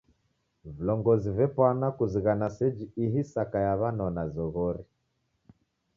Vilongozi vepwana kuzighana seji ihi saka yaw'ianona zoghori.